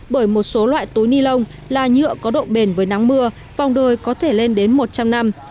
bởi một số loại túi ni lông là nhựa có độ bền với nắng mưa vòng đời có thể lên đến một trăm linh năm